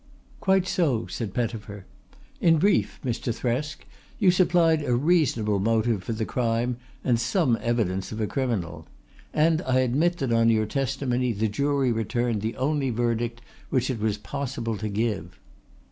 "Quite so," said Pettifer. "In brief, Mr. Thresk, you supplied a reasonable motive for the crime and some evidence of a criminal. And I admit that on your testimony the jury returned the only verdict which it was possible to give."